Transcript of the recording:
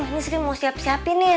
neng sri mau siap siapin nih